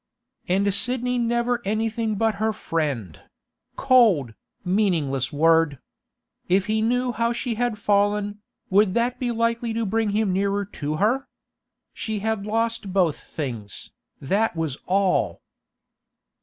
And Sidney never anything but her friend—cold, meaningless word! If he knew how she had fallen, would that be likely to bring him nearer to her? She had lost both things, that was all.